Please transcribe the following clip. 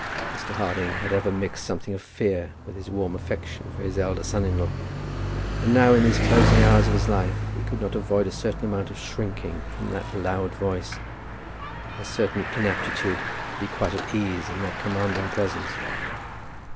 Mr. Harding had ever mixed something of fear with his warm affection for his elder son in law, and now in these closing hours of his life he could not avoid a certain amount of shrinking from that loud voice, a certain inaptitude to be quite at ease in that commanding presence.